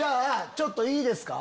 ちょっといいですか？